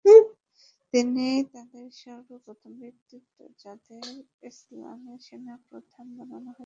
তিনি তাদের সর্বপ্রথম ব্যক্তিত্ব, যাদের ইসলামে সেনাপ্রধান বানানো হয়েছিল।